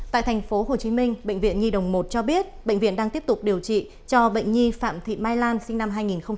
tại tp hcm bệnh viện nhi đồng một cho biết bệnh viện đang tiếp tục điều trị cho bệnh nhi phạm thị mai lan sinh năm hai nghìn